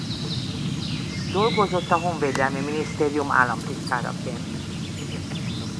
Dolgozott a Honvédelmi Minisztérium államtitkáraként.